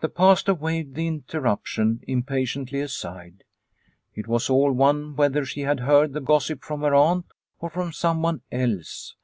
The Pastor waved the in terruption impatiently aside. It was all one whether she had heard the gossip from her aunt or from someone else.